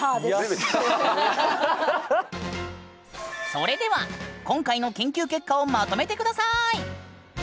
それでは今回の研究結果をまとめて下さい！